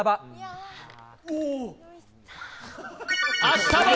あしたば。